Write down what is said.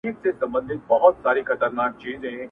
د غوايي څنګ ته یې ځان وو رسولی -